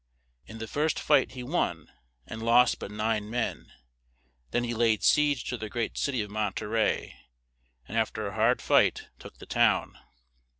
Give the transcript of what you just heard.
In the first fight he won, and lost but nine men; then he laid siege to their great cit y of Mon te rey, and af ter a hard fight took the town.